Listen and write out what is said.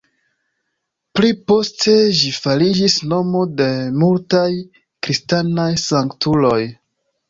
Pli poste ĝi fariĝis nomo de multaj kristanaj sanktuloj.